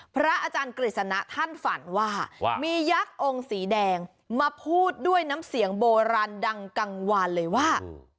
พระอาจารย์กฤษณะท่านฝันว่ามียักษ์องค์สีแดงมาพูดด้วยน้ำเสียงโบราณดังกลางวานเลยว่า